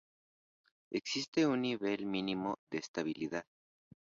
Existe un nivel mínimo de estabilidad.